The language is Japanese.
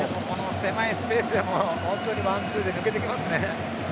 狭いスペースでワンツーで抜けてきますね。